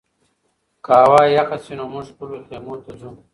که هوا یخه شي نو موږ خپلو خیمو ته ځو.